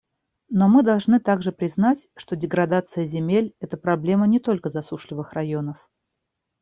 Но мы должны также признать, что деградация земель — это проблема не только засушливых районов.